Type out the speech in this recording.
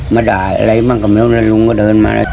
มาด่าอะไรบ้างกับเมล็ดลุงก็เดินมา